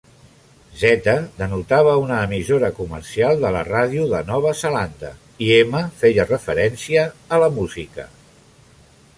Z denotava una emissora comercial de la ràdio de Nova Zelanda i M feia referència a música.